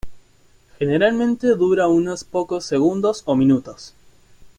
Generalmente dura unos pocos segundos o minutos.